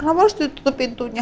kenapa harus ditutup pintunya